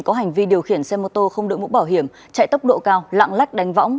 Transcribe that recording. có hành vi điều khiển xe mô tô không đội mũ bảo hiểm chạy tốc độ cao lạng lách đánh võng